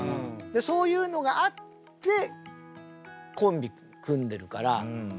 そういうのがあってコンビ組んでるから。